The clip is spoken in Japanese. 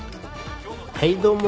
はいどうも。